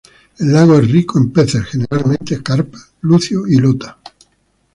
El lago es rico en peces, generalmente carpa, lucio y lota.